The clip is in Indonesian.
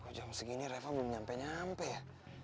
kalau jam segini reva belum nyampe nyampe ya